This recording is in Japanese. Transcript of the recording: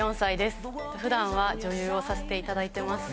普段は女優をさせていただいてます。